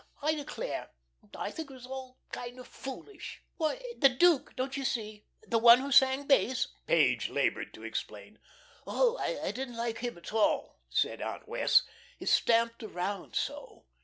I declare, I think it was all kind of foolish." "Why, the duke don't you see. The one who sang bass " Page laboured to explain. "Oh, I didn't like him at all," said Aunt Wess'. "He stamped around so."